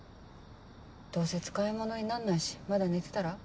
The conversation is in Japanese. どうせ使いものになんないしまだ寝てたら？